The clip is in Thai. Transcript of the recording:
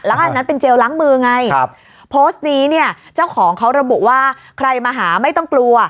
แล้วก็อันนั้นเป็นเจลล้างมือไงครับโพสต์นี้เนี่ยเจ้าของเขาระบุว่าใครมาหาไม่ต้องกลัว